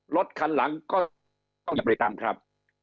รถคันหลังก็ต้องจะไปตามครับ